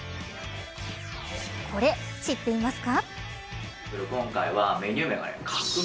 これ知っていますか。